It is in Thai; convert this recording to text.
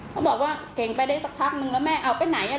เขาบอกว่าเก่งไปได้สักพักนึงแล้วแม่เอาไปไหน